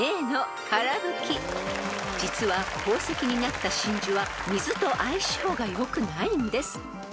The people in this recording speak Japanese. ［実は宝石になった真珠は水と相性が良くないんです］